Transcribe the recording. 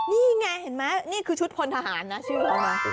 นี่ไงเห็นไหมนี่คือชุดพลทหารนะชื่อเขามา